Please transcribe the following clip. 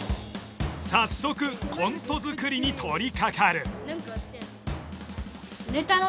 早速コント作りに取りかかる。